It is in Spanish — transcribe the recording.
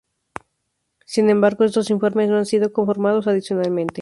Sin embargo, estos informes no han sido conformados adicionalmente.